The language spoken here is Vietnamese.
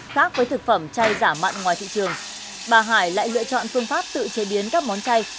khác với thực phẩm chay giả mặn ngoài thị trường bà hải lại lựa chọn phương pháp tự chế biến các món chay